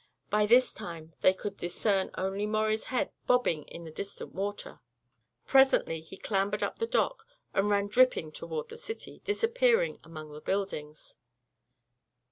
By this time they could discern only Maurie's head bobbing in the distant water. Presently he clambered up the dock and ran dripping toward the city, disappearing among the buildings.